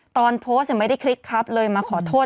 ตอนโพสต์ไม่ได้คลิกครับเลยมาขอโทษ